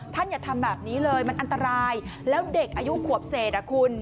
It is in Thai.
อย่าทำแบบนี้เลยมันอันตรายแล้วเด็กอายุขวบเศษอ่ะคุณ